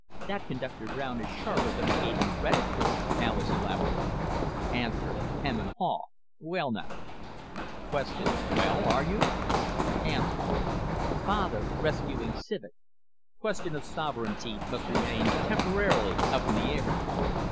('That Conductor Brown is sharper than I gave him credit for,' Alis elaborated.) "A. Hem & haw. Well now. "Q. Well, r u? "A. (Father, rescuing Civek) Q of sovereignty must remain temporarily up in the air.